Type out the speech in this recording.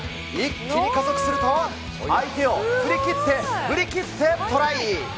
一気に加速すると、相手を振り切って、振り切って、トライ。